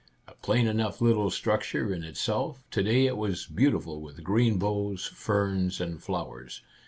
A plain enough little structure in itself, to day it was beautiful with green boughs, ferns, and flowers.